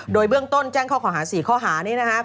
โดยเบื้องต้นแจ้งข้อขอหา๔ข้อหานี้นะครับ